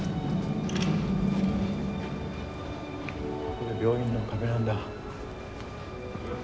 これ病院の壁なんだ。